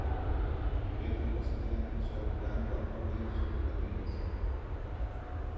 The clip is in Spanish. Pedro Mosquera empezó jugando al hockey sobre patines.